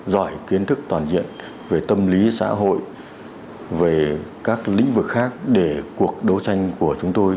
giỏi kiến thức toàn diện về tâm lý xã hội về các lĩnh vực khác để cuộc đấu tranh của chúng tôi